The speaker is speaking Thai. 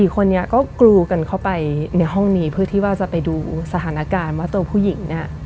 คนนี้ก็กรูกันเข้าไปในห้องนี้เพื่อที่ว่าจะไปดูสถานการณ์ว่าตัวผู้หญิงเนี่ย